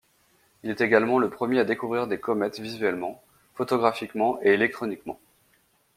Il est également le premier à découvrir des comètes visuellement, photographiquement et électroniquement.